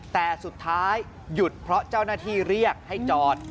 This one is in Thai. แต่สุดท้ายหยุดเพราะเจ้าหน้าที่เรียกให้จอด